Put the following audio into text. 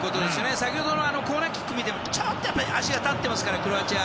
先ほどのコーナーキックを見てもちょっとやっぱり足が立ってますからクロアチア。